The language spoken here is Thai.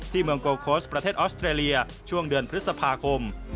เมืองโกโค้ชประเทศออสเตรเลียช่วงเดือนพฤษภาคม